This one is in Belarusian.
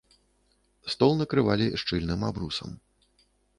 Стол накрывалі шчыльным абрусам.